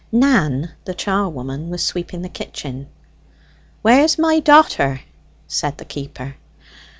Nan, the charwoman, was sweeping the kitchen. "Where's my da'ter?" said the keeper.